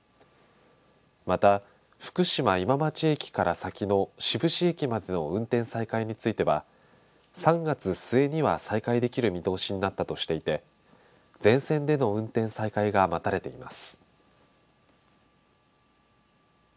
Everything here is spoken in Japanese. また、福島今町駅から先の志布志駅までの運転再開については３月末には再開できる見通しになったとしていて全線での運転再開が待たれています。